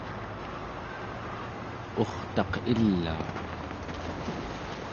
urtaq ilau!